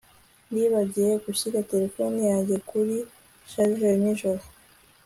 Nibagiwe gushyira terefone yanjye kuri charger nijoro